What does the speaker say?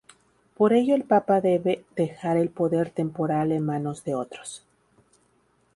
Por ello el papa debe dejar el poder temporal en manos de otros.